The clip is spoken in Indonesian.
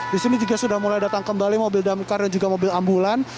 di sini juga sudah mulai datang kembali mobil damkar dan juga mobil ambulan